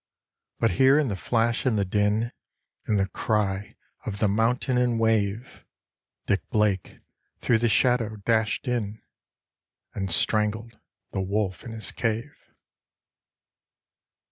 But here in the flash and the din, in the cry of the mountain and wave, Dick Blake, through the shadow, dashed in and strangled the wolf in his cave.